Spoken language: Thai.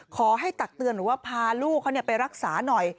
ตักเตือนหรือว่าพาลูกเขาไปรักษาหน่อย